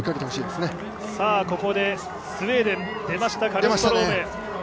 ではここで、スウェーデン、出ましたカルストローム。